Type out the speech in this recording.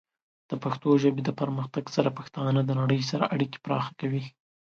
د پښتو ژبې د پرمختګ سره، پښتانه د نړۍ سره اړیکې پراخه کوي.